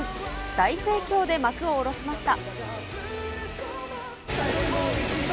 大盛況で幕を下ろしました。